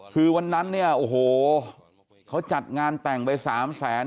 คือวันนั้นเนี่ยโอ้โหเขาจัดงานแต่งไป๓แสน